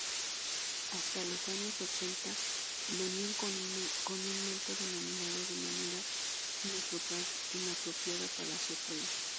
Hasta a los años ochenta, venía comúnmente denominado de manera inapropiada Palacio Tron.